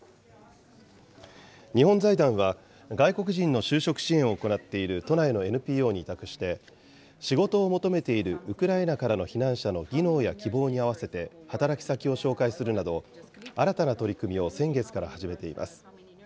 日本財団は、外国人の就職支援を行っている都内のＮＰＯに委託して、仕事を求めているウクライナからの避難者の技能や希望に合わせて働き先を紹介するなど、新たな取り組みを先月から始めています。